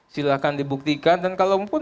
silahkan dibuktikan dan kalaupun